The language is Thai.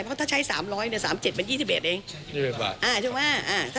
เพราะถ้าใช้๓๐๐เนี่ย๓๗มัน๒๑เอง